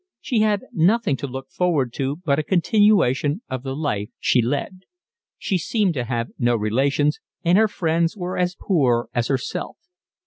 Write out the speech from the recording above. She had nothing to look forward to but a continuation of the life she led. She seemed to have no relations, and her friends were as poor as herself.